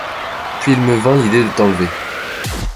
Puis il me vint l’idée de t’enlever.